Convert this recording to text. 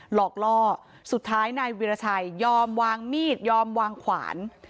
หลอกล่อสุดท้ายนายวิราชัยยอมวางมีดยอมวางขวาน